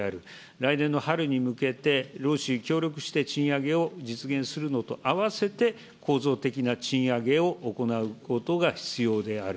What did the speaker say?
来年の春に向けて、労使が協力して、賃上げを実現するのとあわせて、構造的な賃上げを行うことが必要である。